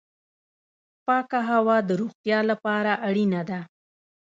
پاکه هوا د روغتیا لپاره اړینه ده